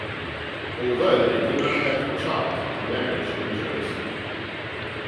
Although they do not have a child, the marriage endures.